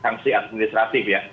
sanksi administratif ya